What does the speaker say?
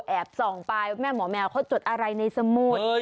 แอบส่องไปแม่หมอแมวเขาจดอะไรในสมุด